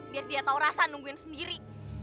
biar dia tahu rasa nungguin sendiri